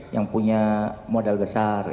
yang punya modal besar